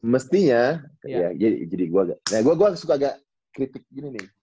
mestinya jadi gua agak nah gua suka agak kritik gini nih